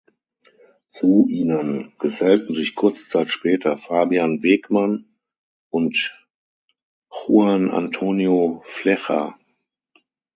Zu ihnen gesellten sich kurze Zeit später Fabian Wegmann und Juan Antonio Flecha.